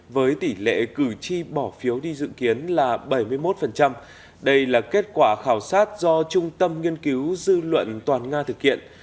với tỷ lệ cử tri bỏ phiếu đi dự kiến là bảy mươi một đây là kết quả khảo sát do trung tâm nghiên cứu dư luận toàn nga thực hiện